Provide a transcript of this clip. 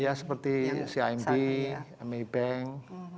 iya seperti cimb mi bank